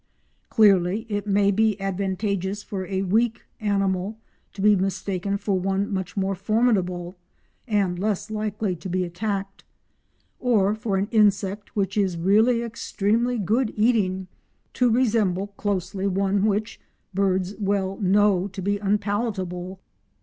Clearly it may be advantageous for a weak animal to be mistaken for one much more formidable and less likely to be attacked, or for an insect which is really extremely good eating to resemble closely one which birds well know to be unpalatable.